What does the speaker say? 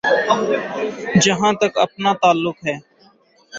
جہاں تک اپنا تعلق ہے۔